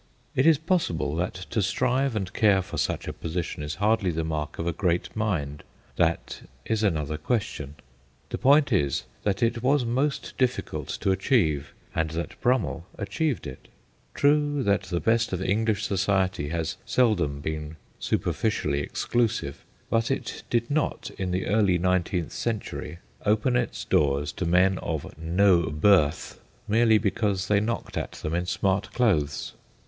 It is possible that to strive and care for such a position is hardly the mark of a great mind ; that is another question ; the point is that it was most difficult to achieve, and that Brummell achieved it. True, that the best of English society has seldom been superficially exclusive, but it did not in the early nineteenth century open 44 THE GHOSTS OF PICCADILLY its doors to men of ' no birth ' merely because they knocked at them in smart clothes.